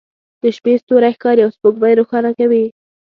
د شپې ستوری ښکاري او سپوږمۍ روښانه وي